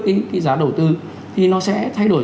cái giá đầu tư thì nó sẽ thay đổi